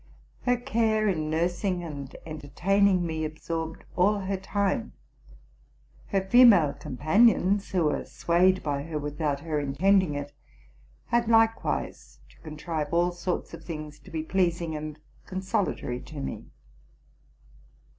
Her care in nursing and entertaining me absorbed all her time: her female companions, who were swayed by her without her intending it, had likewise to contrive all sorts of things to be pleasing and consolatory to me.